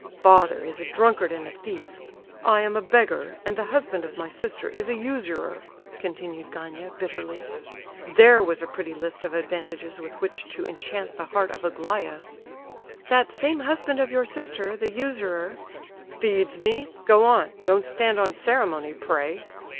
"Father is a drunkard and a thief; I am a beggar, and the husband of my sister is a usurer," continued Gania, bitterly. "There was a pretty list of advantages with which to enchant the heart of Aglaya." "That same husband of your sister, the usurer—" "Feeds me? Go on. Don't stand on ceremony, pray."